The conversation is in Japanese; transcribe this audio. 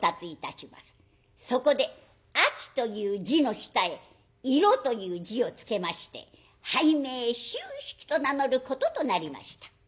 そこで「秋」という字の下へ「色」という字をつけまして俳名「秋色」と名乗ることとなりました。